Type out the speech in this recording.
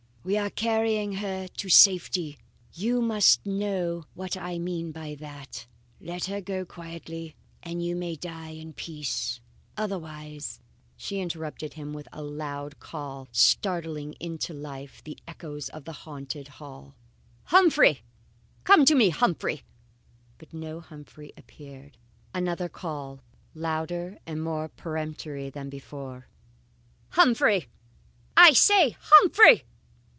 We are carrying her to safety. You must know what I mean by that. Let her go quietly and you may die in peace. Otherwise " She interrupted him with a loud call, startling into life the echoes of that haunted hall: "Humphrey! Come to me, Humphrey!" But no Humphrey appeared. Another call, louder and more peremptory than before: "Humphrey! I say, Humphrey!"